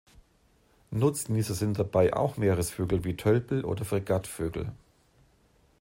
Nutznießer sind dabei auch Meeresvögel wie Tölpel oder Fregattvögel.